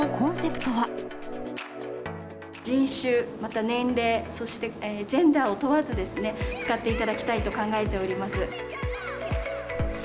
人種、また年齢、そしてジェンダーを問わずですね、使っていただきたいと考えております。